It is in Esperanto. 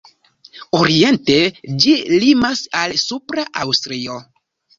Oriente ĝi limas al Supra Aŭstrio.